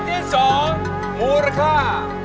เทรดที่สองมูลค่า